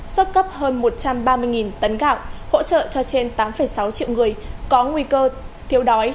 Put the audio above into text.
xuất cấp hơn một trăm ba mươi tấn gạo hỗ trợ cho trên tám sáu triệu người có nguy cơ thiếu đói